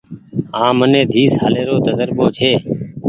هآن مني ۮي سالي رو تجربو ڇي۔